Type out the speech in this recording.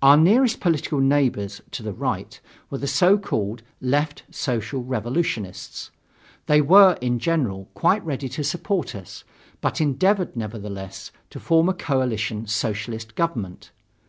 Our nearest political neighbors to the Right were the so called "Left Social Revolutionists." They were, in general, quite ready to support us, but endeavored, nevertheless, to form a coalition Socialist government.